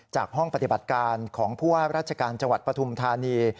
จากห้องปฏิบัติการของผู้ว่าราชการจังหวัดปฐุมธานี